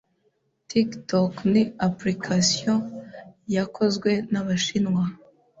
Tiktok ni application yakozwe n’Abashinwa